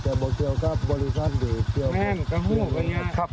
แต่บอกเกี่ยวกับบริษัทเดี๋ยวเกี่ยวแม่งกับหูกันเนี้ยครับ